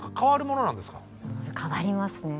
変わりますね。